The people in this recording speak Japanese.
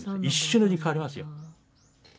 一瞬のうちに変わりますよ。